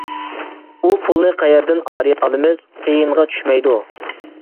ئۇ پۇلنى قەيەردىن ئارىيەت ئالىمىز؟ -قىيىنغا چۈشمەيدۇ.